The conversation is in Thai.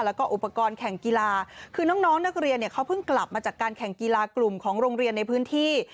แล้วก็อุปกรณ์แข่งกีฬาคือน้องนักเรียนเนี่ยเขาเพิ่งกลับมาจากการแข่งกีฬากลุ่มของโรงเรียนในพื้นที่